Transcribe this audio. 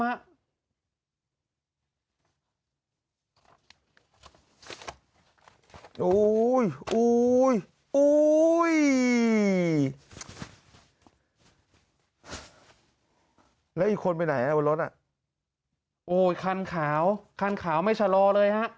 โอ้โหอีกคนไปไหนอ่ะบนรถอ่ะโอ้ยคันขาวคันขาวไม่ชะลอเลยฮะ